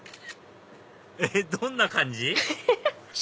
えっどんな感じ？